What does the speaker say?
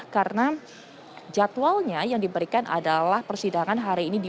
karena jadwalnya yang diberikan adalah persidangan hari ini